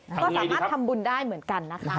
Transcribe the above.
ก็สามารถทำบุญได้เหมือนกันนะคะ